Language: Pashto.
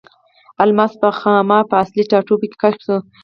الماس په خاما په اصلي ټاټوبي کې کشف شو.